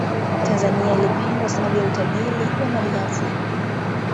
tanzania ilipendwa sababu ya utajiri wa mali ghafi